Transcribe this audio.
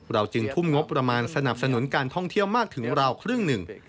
จึงทุ่มงบประมาณสนับสนุนการท่องเที่ยวมากถึงราวครึ่งหนึ่ง